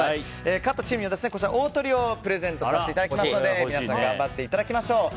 勝ったチームにはオートリオをプレゼントさせていただきますので皆さん頑張っていただきましょう。